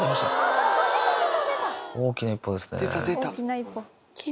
大きな一歩ですね。